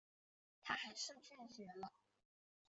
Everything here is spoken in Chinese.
她还是拒绝了